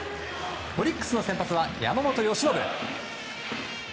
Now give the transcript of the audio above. オリックスの先発は山本由伸。